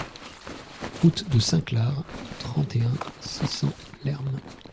Route de Saint-Clar, trente et un, six cents Lherm